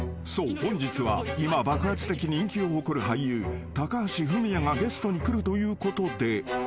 本日は今爆発的人気を誇る俳優高橋文哉がゲストに来るということで］